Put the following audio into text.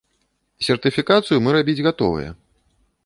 Сертыфікацыю мы рабіць гатовыя.